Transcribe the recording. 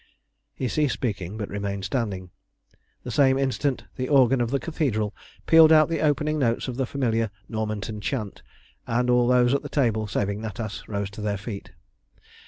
He ceased speaking, but remained standing; the same instant the organ of the Cathedral pealed out the opening notes of the familiar Normanton Chant, and all those at the table, saving Natas, rose to their feet.